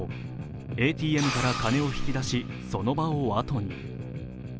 ＡＴＭから金を引き出し、その場をあとに。